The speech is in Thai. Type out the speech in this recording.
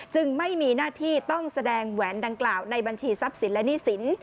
ไม่มีหน้าที่ต้องแสดงแหวนดังกล่าวในบัญชีทรัพย์สินและหนี้สิน